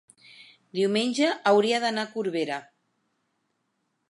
Diumenge hauria d'anar a Corbera.